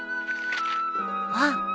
あっ。